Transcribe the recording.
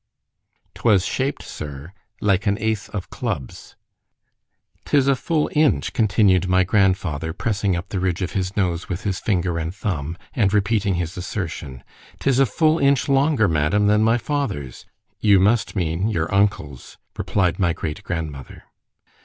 —— —'Twas shaped, Sir, like an ace of clubs. —'Tis a full inch, continued my grandfather, pressing up the ridge of his nose with his finger and thumb; and repeating his assertion——'tis a full inch longer, madam, than my father's——You must mean your uncle's, replied my great grandmother.